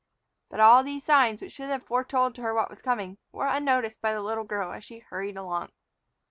But all these signs, which should have foretold to her what was coming, were unnoticed by the little girl as she hurried along.